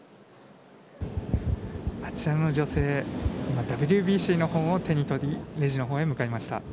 あちらの女性ＷＢＣの本を手に取りレジのほうに向かいました。